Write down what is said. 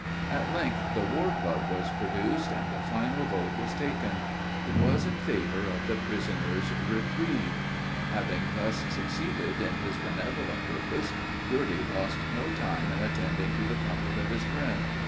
At length the warclub was produced, and the final vote was taken. It was in favor of the prisoner's reprieve. Having thus succeeded in his benevolent purpose, Girty lost no time in attending to the comfort of his friend.